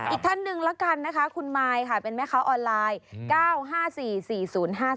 อีกท่านหนึ่งแล้วกันนะคะคุณมายค่ะเป็นแม่ค้าออนไลน์๙๕๔๔๐๕๔